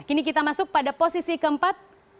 kini kita masuk pada posisi keempat